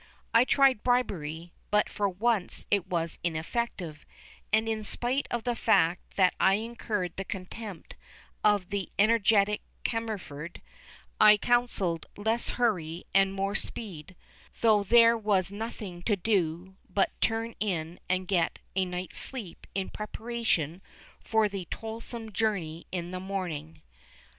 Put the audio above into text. I tried bribery, but for once it was ineffective, and in spite of the fact that I incurred the contempt of the energetic Cammerford, I counselled less hurry and more speed, though there was nothing to do but turn in and get a night's sleep in preparation for the toilsome journey in the morning.